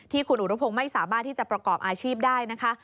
คุณอุรุพงศ์ไม่สามารถที่จะประกอบอาชีพได้นะคะ